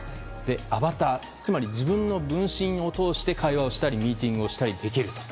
アバター、つまり自分の分身を通して会話をしたりミーティングをしたりできると。